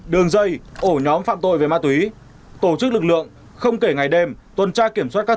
đường dây ổ nhóm phạm tội về ma túy tổ chức lực lượng không kể ngày đêm tuần tra kiểm soát các